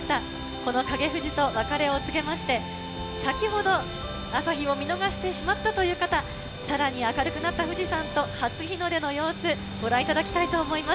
この影富士と別れを告げまして、先ほど朝日を見逃してしまったという方、さらに明るくなった富士山と初日の出の様子、ご覧いただきたいと思います。